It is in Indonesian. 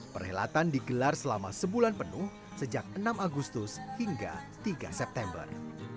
perhelatan digelar selama sebulan penuh sejak enam agustus hingga tiga september